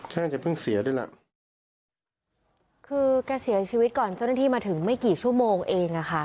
น่าจะเพิ่งเสียด้วยล่ะคือแกเสียชีวิตก่อนเจ้าหน้าที่มาถึงไม่กี่ชั่วโมงเองอ่ะค่ะ